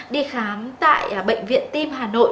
đi khám tại bệnh viện tim hà nội